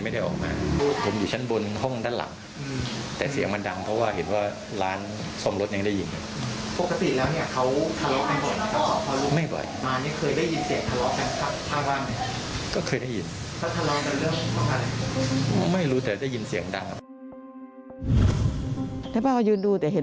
ได้บ้างก็ยืนดูแต่เห็นรถเครื่องก็จอดอยู่หน้าบ้าน